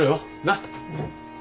なっ？